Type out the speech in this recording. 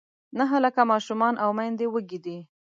نهه لاکه ماشومان او میندې وږې دي.